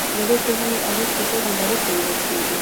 د دې ټولنې اغیز په ټوله نړۍ کې لیدل کیږي.